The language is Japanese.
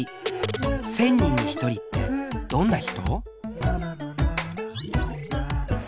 １０００人に１人ってどんな人？